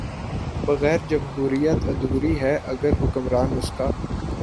بغیر جمہوریت ادھوری ہے اگر حکمران اس کا